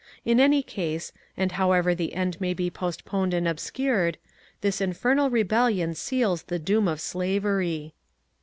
In any case, and however the end may be postponed and obscured, this infernal Rebellion seals the doom of slavery.